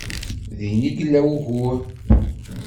Din i yella wugur.